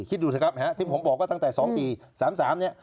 คิดดูสิครับที่ผมบอกว่าตั้งแต่๒๔๓๓เนี่ย